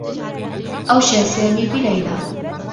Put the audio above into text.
أوشى سامي بليلى.